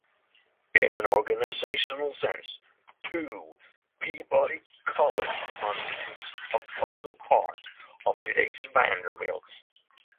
In an organizational sense, too, Peabody College constitutes a vital part of today's Vanderbilt.